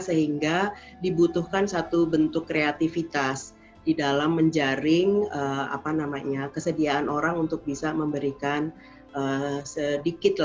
sehingga dibutuhkan satu bentuk kreativitas di dalam menjaring kesediaan orang untuk bisa memberikan sedikit